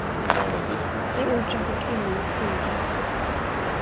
Det ord som fick kvinnorna att tiga.